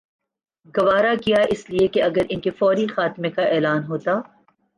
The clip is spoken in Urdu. گوارا کیا اس لیے کہ اگر ان کے فوری خاتمے کا اعلان ہوتا